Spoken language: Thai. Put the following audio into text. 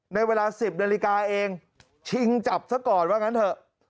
ในเวลา๑๐นาฬิกาเองชิงจับซะก่อนว่างั้นเถอะ